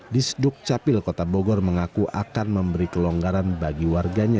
disduk capil kota bogor mengaku akan memberi kelonggaran bagi warganya